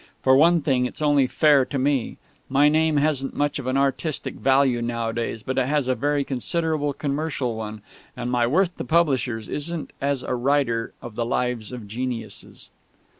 For one thing, it's only fair to me. My name hasn't much of an artistic value nowadays, but it has a very considerable commercial one, and my worth to publishers isn't as a writer of the Lives of Geniuses."